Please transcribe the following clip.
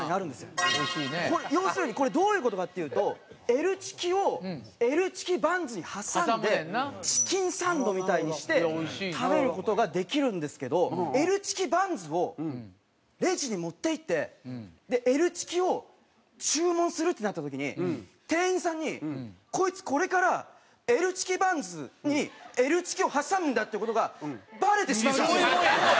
要するにこれどういう事かっていうとＬチキをＬチキバンズに挟んでチキンサンドみたいにして食べる事ができるんですけどＬチキバンズをレジに持っていってＬチキを注文するってなった時に店員さんに「こいつこれからＬチキバンズにＬチキを挟むんだ」っていう事がバレてしまうんですよ！